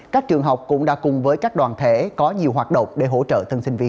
các trường học cũng đã cùng với các đoàn thể có nhiều hoạt động để hỗ trợ thân sinh viên